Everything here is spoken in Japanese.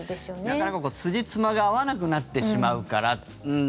なかなか、つじつまが合わなくなってしまうから。